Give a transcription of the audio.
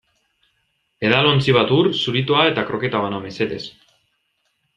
Edalontzi bat ur, zuritoa eta kroketa bana, mesedez.